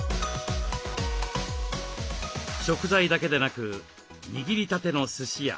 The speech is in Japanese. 食材だけでなく握りたてのすしや。